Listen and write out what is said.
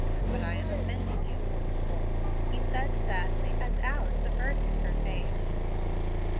But I am offending you," he said sadly, as Alice averted her face.